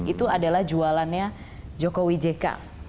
itu adalah jualannya jokowi jk